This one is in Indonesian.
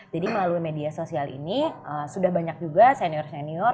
jadi melalui media sosial ini sudah banyak juga senior senior